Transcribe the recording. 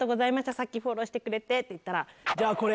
さっきフォローしてくれてって言ったら。